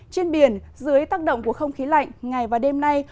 trên biển dưới tác động của không khí lạnh ngày và đêm nay